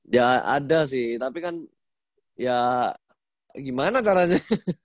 ya ada sih tapi kan ya gimana caranya